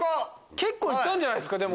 結構いったんじゃないっすか？